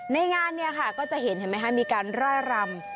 ในงานเนี่ยค่ะก็จะเห็นเห็นไหมคะมีการร่ายรำ